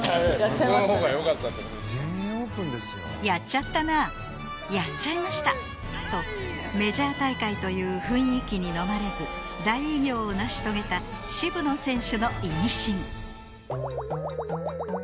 やっちゃったなやっちゃいましたとメジャー大会という雰囲気にのまれず大偉業を成し遂げた渋野選手のイミシン。